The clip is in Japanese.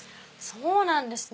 そうなんですね。